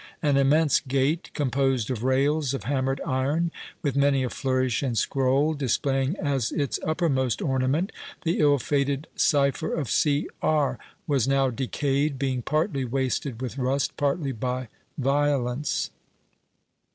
An immense gate, composed of rails of hammered iron, with many a flourish and scroll, displaying as its uppermost ornament the ill fated cipher of C. R., was now decayed, being partly wasted with rust, partly by violence.